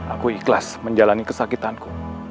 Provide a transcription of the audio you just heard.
aku ikhlas menjalani kesakitanku